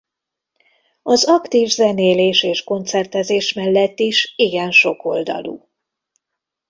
Az aktív zenélés és koncertezés mellett is igen sokoldalú.